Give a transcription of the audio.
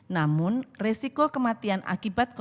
namun resiko kematian akibat covid sembilan belas jauh lebih tinggi